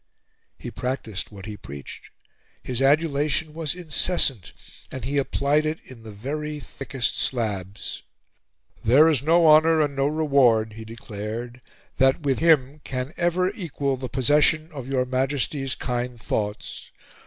He practiced what he preached. His adulation was incessant, and he applied it in the very thickest slabs. "There is no honor and no reward," he declared, "that with him can ever equal the possession of your Majesty's kind thoughts.